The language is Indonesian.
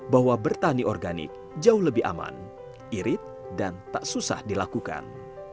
bahwa bertani organik jauh lebih aman irit dan tak susah dilakukan